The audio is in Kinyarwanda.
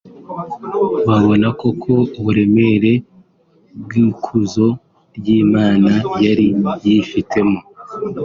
Babona koko uburemere bw’ikuzo ry’Imana yari yifitemo